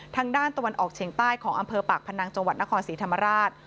ตะวันออกเฉียงใต้ของอำเภอปากพนังจังหวัดนครศรีธรรมราช